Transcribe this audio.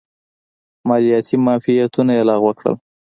مالیاتي معافیتونه یې لغوه کړل.